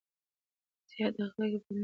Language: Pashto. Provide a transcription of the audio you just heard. سياست د حقايقو بدلول دي.